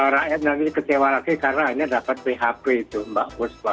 rakyat nanti kecewa lagi karena hanya dapat php mbak busma